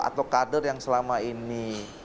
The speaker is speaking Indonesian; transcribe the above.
atau kader yang selama ini